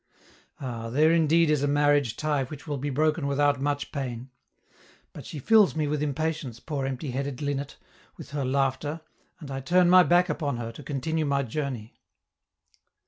Ah, there indeed is a marriage tie which will be broken without much pain! But she fills me with impatience, poor empty headed linnet, with her laughter, and I turn my back upon her to continue my journey.